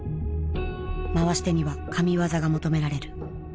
回し手には神業が求められる。